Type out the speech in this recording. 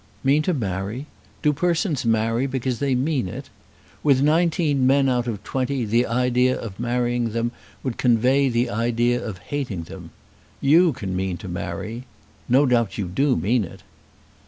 "Mean to marry! Do persons marry because they mean it? With nineteen men out of twenty the idea of marrying them would convey the idea of hating them. You can mean to marry. No doubt you do mean it."